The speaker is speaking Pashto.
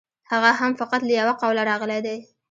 هغه هم فقط له یوه قوله راغلی دی.